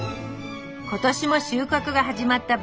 今年も収穫が始まったばかり。